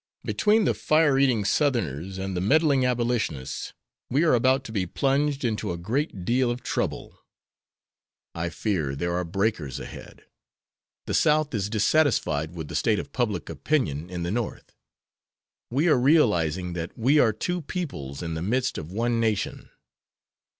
Between the fire eating Southerners and the meddling Abolitionists we are about to be plunged into a great deal of trouble. I fear there are breakers ahead. The South is dissatisfied with the state of public opinion in the North. We are realizing that we are two peoples in the midst of one nation.